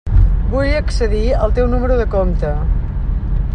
Vull accedir al teu número de compte.